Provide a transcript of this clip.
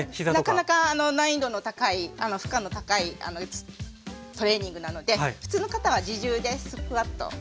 なかなか難易度の高い負荷の高いトレーニングなので普通の方は自重でスクワットをすればいいと思います。